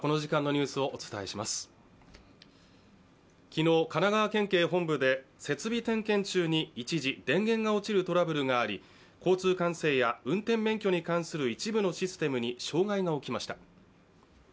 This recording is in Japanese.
昨日、神奈川県警本部で設備点検中に一時、電源が落ちるトラブルがあり交通管制や運転免許に関する一部のシステムに障害が起きました。